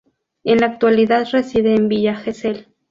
En la actualidad reside en Villa Gesell.